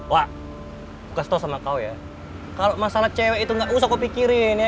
wak kastos sama kau ya kalau masalah cewek itu nggak usah pikirin ya